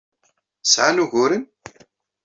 Sɛan uguren?